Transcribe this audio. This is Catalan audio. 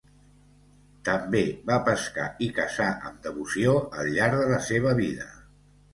També va pescar i caçar amb devoció al llarg de la seva vida.